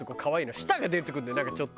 舌が出てくるんだよなんかちょっと。